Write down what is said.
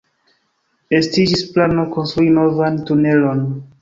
Estiĝis plano konstrui novan tunelon.